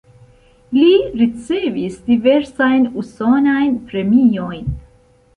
Li ricevis diversajn usonajn premiojn.